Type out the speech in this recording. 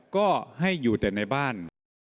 ก็ให้อยู่แต่ในบ้าน